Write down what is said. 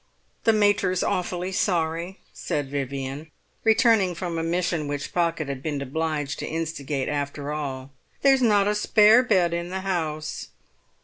"The mater's awfully sorry," said Vivian, returning from a mission which Pocket had been obliged to instigate after all. "There's not a spare bed in the house."